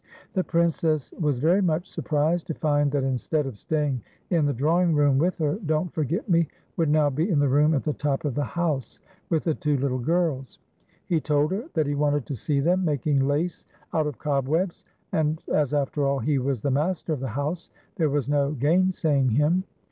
The Princess was very much surprised to find that instead of staying in the drawing room with her, Don't Forget Me would now be in the room at the top of the house with the two little girls. He told her that he wanted to see them making lace out of cobwebs, and as after all he was the master of the house, there was no gainsaying him.